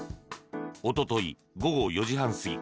おととい午後４時半過ぎ